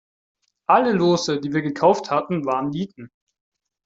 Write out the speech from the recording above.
Alle Lose, die wir gekauft hatten, waren Nieten.